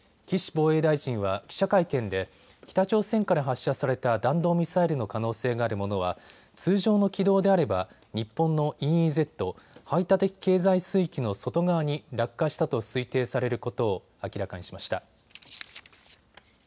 岸防衛大臣は記者会見で北朝鮮から発射された弾道ミサイルの可能性があるものは通常の軌道であれば日本のＥＥＺ・排他的経済水域の外側に落下したと推定されることを明らかにしました。